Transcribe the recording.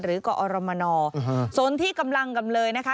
หรือก็อรมนโซนที่กำลังกำเลยนะคะ